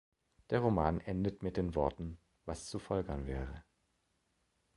Der Roman endet mit den Worten "Was zu folgern wäre".